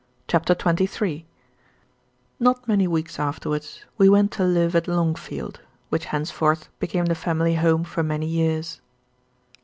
CHAPTER XXIII Not many weeks afterwards we went to live at Longfield, which henceforth became the family home for many years.